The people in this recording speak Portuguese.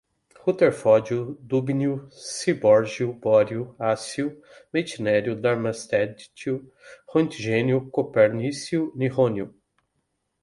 rutherfórdio, dúbnio, seabórgio, bóhrio, hássio, meitnério, darmstádtio, roentgênio, copernício, nihônio